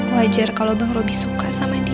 wajar kalau bang roby suka sama dia